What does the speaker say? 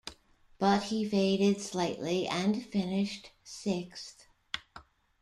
But he faded slightly and finished sixth.